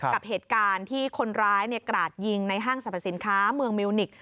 กับเหตุการณ์ที่คนร้ายกราดยิงในห้างสรรพสินค้าเมืองมิวนิกส